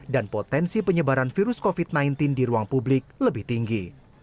dan potensi penyebaran virus covid sembilan belas di ruang publik lebih tinggi